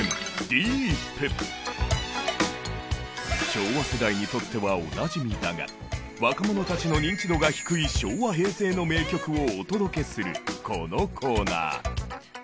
昭和世代にとってはおなじみだが若者たちのニンチドが低い昭和平成の名曲をお届けするこのコーナー。